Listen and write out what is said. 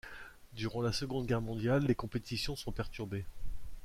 Durant la Seconde Guerre mondiale, les compétitions sont perturbées.